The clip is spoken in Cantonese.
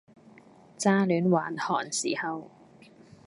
乍煖還寒時候，